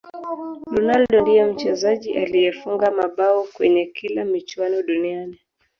ronaldo ndiye mchezaji aliyefunga mabao kwenye kila michuano duniani